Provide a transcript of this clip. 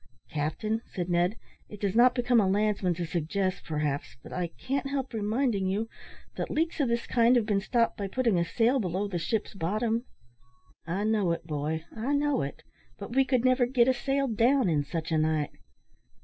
"Captain," said Ned, "it does not become a landsman to suggest, perhaps, but I can't help reminding you, that leaks of this kind have been stopped by putting a sail below the ship's bottom." "I know it, boy, I know it; but we could never get a sail down in such a night."